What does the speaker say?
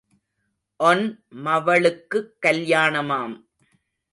One மவளுக்குக் கல்யாணமாம்.